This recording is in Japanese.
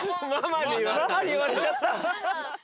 ママに言われちゃった。